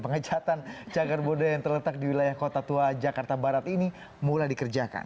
pengecatan cagar budaya yang terletak di wilayah kota tua jakarta barat ini mulai dikerjakan